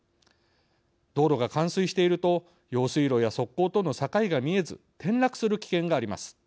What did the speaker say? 道路が冠水していると用水路や側溝との境が見えず転落する危険があります。